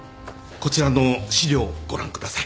こちらの資料をご覧ください。